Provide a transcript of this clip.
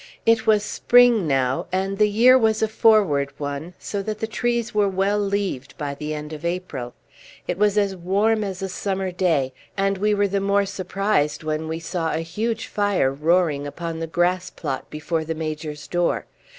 It was spring now, and the year was a forward one, so that the trees were well leaved by the end of April. It was as warm as a summer day, and we were the more surprised when we saw a huge fire roaring upon the grass plot before the Major's door.